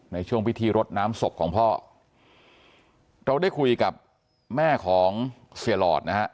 ในช่วงพิธีรดน้ำศพของพ่อเราได้คุยกับแม่ของเสียหลอดนะฮะ